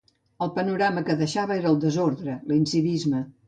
El panorama que deixava era el desordre, l’incivisme.